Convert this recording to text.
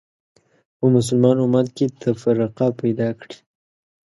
په مسلمان امت کې تفرقه پیدا کړې